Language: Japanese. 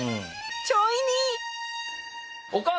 ちょい似！